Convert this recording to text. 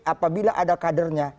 apabila ada kadernya